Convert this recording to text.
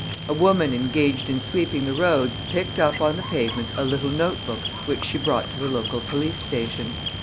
A woman engaged in sweeping the roads picked up on the pavement a little note book which she brought to the local police station.